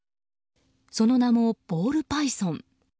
その名も、ボールパイソン。